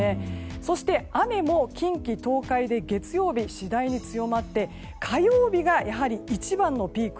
そして、雨も近畿・東海で月曜日、次第に強まって火曜日が一番のピーク。